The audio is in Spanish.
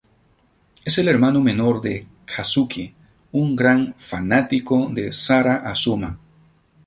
Es el hermano menor de Kazuki, un gran fanático de Sara Azuma.